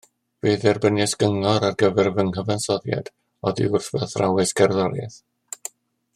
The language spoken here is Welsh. Fe dderbyniais gyngor ar gyfer fy nghyfansoddiad oddi wrth fy athrawes cerddoriaeth